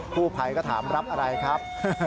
ผู้ภัยก็ถามรับอะไรครับ